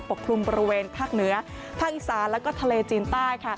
กลุ่มบริเวณภาคเหนือภาคอีสานแล้วก็ทะเลจีนใต้